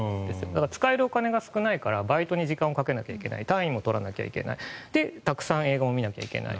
だから、使えるお金が少ないからバイトに時間をかけなきゃいけない単位も取らなきゃいけないで、たくさん映画も見なきゃいけない。